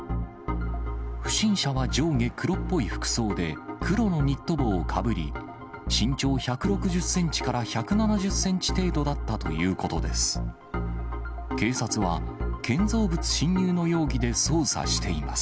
不審者は上下、黒っぽい服装で黒のニット帽をかぶり、身長１６０センチから１７０センチ程度だったということです。